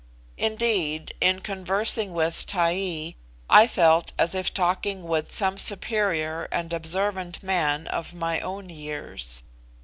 Indeed, in conversing with Taee, I felt as if talking with some superior and observant man of my own years.